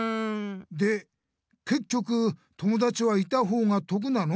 でけっきょく友だちはいたほうが得なの？